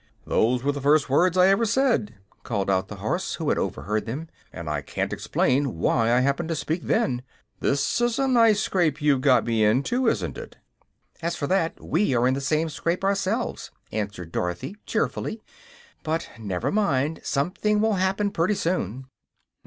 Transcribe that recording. "Those were the first words I ever said," called out the horse, who had overheard them, "and I can't explain why I happened to speak then. This is a nice scrape you've got me into, isn't it?" "As for that, we are in the same scrape ourselves," answered Dorothy, cheerfully. "But never mind; something will happen pretty soon."